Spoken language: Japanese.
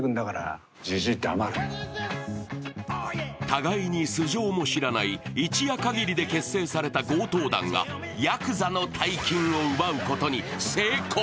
互いに素性も知らない一夜限りで結成された強盗団がやくざの大金を奪うことに成功。